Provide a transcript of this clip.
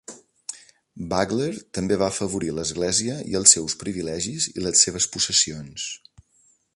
Bagler també va afavorir l"església i els seus privilegis i les seves possessions.